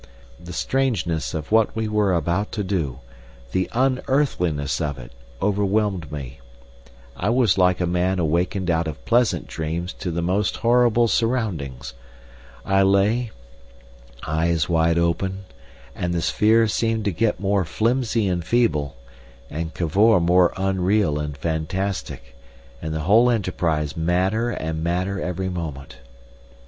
The strangeness of what we were about to do, the unearthliness of it, overwhelmed me. I was like a man awakened out of pleasant dreams to the most horrible surroundings. I lay, eyes wide open, and the sphere seemed to get more flimsy and feeble, and Cavor more unreal and fantastic, and the whole enterprise madder and madder every moment.